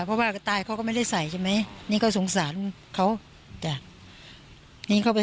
เพราะว่าตายก็ต้องใส่ถือของเขาเสื้อหัวของเขา